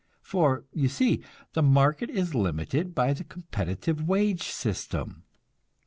For, you see, the market is limited by the competitive wage system.